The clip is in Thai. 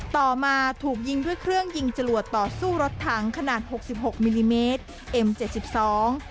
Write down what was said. ต่อมาถูกยิงด้วยเครื่องยิงจรวดต่อสู้รถถังขนาดหกสิบหกมิลลิเมตรเอ็มเจ็ดสิบสอง